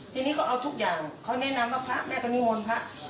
ทีนี้ก็เอาทุกอย่างเขาแนะนำว่าพระแม่ก็นิมนต์พระ